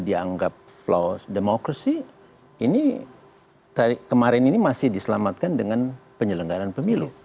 dianggap flows demokrasi ini kemarin ini masih diselamatkan dengan penyelenggaran pemilu